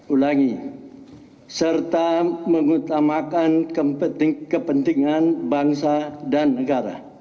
ulangi serta mengutamakan kepentingan bangsa dan negara